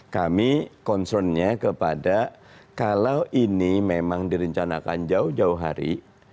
kami concernnya kepada kalau ini memang direncanakan jauh jauh hari